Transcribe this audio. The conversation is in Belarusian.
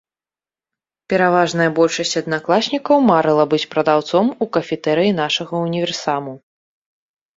Пераважная большасць аднакласнікаў марыла быць прадаўцом у кафетэрыі нашага ўніверсаму.